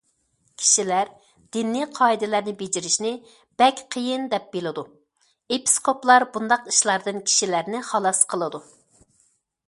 كىشىلەر دىنىي قائىدىلەرنى بېجىرىشنى بەك قىيىن دەپ بىلىدۇ، ئېپىسكوپلار بۇنداق ئىشلاردىن كىشىلەرنى خالاس قىلىدۇ.